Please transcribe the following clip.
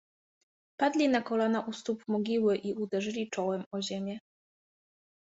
Padli na kolana u stóp mogiły i uderzyli czołem o ziemię.